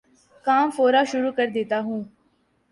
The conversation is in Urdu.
کام فورا شروع کردیتا ہوں